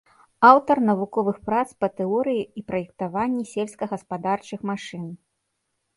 Аўтар навуковых прац па тэорыі і праектаванні сельскагаспадарчых машын.